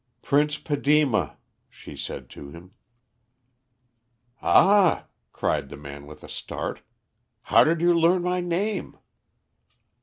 "Prince Padema," she said to him. "Ah!" cried the man with a start. "How did you learn my name?"